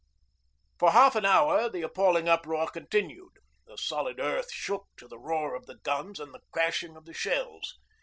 For half an hour the appalling uproar continued, the solid earth shook to the roar of the guns and the crashing of the shells.